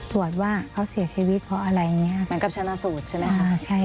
ตรวจว่าเขาเสียชีวิตเพราะอะไรอย่างนี้เหมือนกับชนะสูตรใช่ไหมคะ